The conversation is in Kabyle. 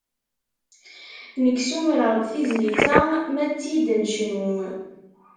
Nekk ssumreɣ-d tizlit-a m'ad tt-id-necnu.